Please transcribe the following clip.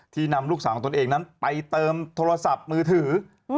นำลูกสาวของตนเองนั้นไปเติมโทรศัพท์มือถือ